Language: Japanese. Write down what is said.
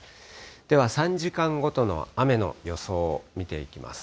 では、３時間ごとの雨の予想、見ていきます。